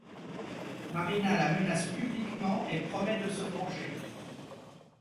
Marina la menace publiquement et promet de se venger.